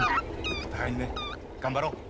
お互いにね頑張ろう。